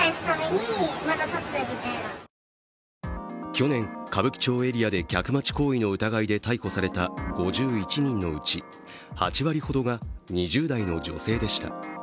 去年、歌舞伎町エリアで客待ち行為の疑いで逮捕された５１人のうち８割ほどが２０代の女性でした。